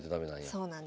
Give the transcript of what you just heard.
そうなんです。